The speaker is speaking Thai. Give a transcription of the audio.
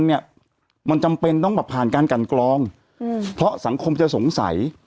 เนี่ยมันจำเป็นต้องแบบผ่านการกันกรองอืมเพราะสังคมจะสงสัย